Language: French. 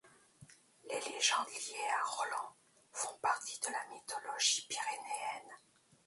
Les légendes liées à Roland font partie de la mythologie pyrénéenne.